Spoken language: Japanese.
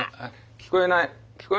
聞こえない。